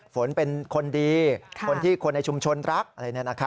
ฝนเป็นคนดีคนที่คนในชุมชนรักอะไร